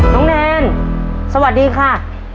น้องแนนสวัสดีค่ะ